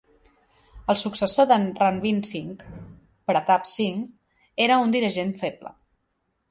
El successor de Ranbir Singh, Pratap Singh, era un dirigent feble.